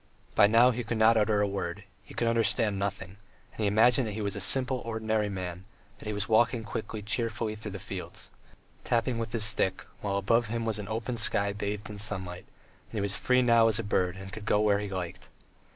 By now he could not utter a word, he could understand nothing, and he imagined he was a simple ordinary man, that he was walking quickly, cheerfully through the fields, tapping with his stick, while above him was the open sky bathed in sunshine, and that he was free now as a bird and could go where he liked!